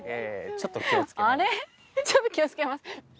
ちょっと気をつけます。